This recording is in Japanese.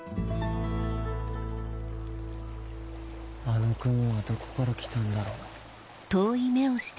あの雲はどこから来たんだろう。